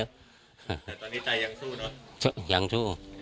แต่ตอนนี้ตายังสู้เนอะยังสู้